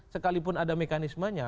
sekalipun ada mekanismenya